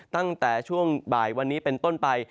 ตั้งแต่ช่วงบ่ายวันนี้เป็นต้นไป